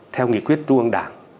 theo nghị quyết tru ân đảng